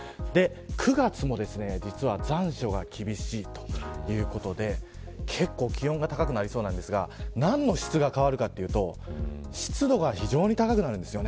９月も実は残暑が厳しいということで結構、気温が高くなりそうですが何の質が変わるかというと湿度が非常に高くなるんです。